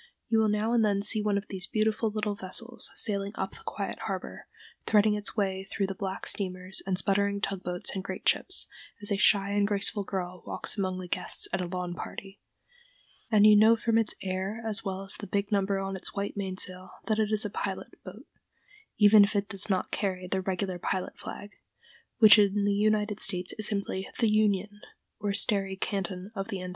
You will now and then see one of these beautiful little vessels sailing up the quiet harbor, threading its way through the black steamers and sputtering tug boats and great ships, as a shy and graceful girl walks among the guests at a lawn party, and you know from its air as well as the big number on its white mainsail that it is a pilot boat, even if it does not carry the regular pilot flag, which in the United States is simply the "union" or starry canton of the ensign.